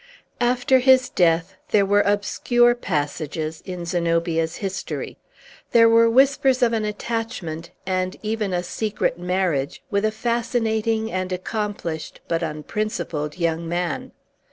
After his death there were obscure passages in Zenobia's history. There were whispers of an attachment, and even a secret marriage, with a fascinating and accomplished but unprincipled young man.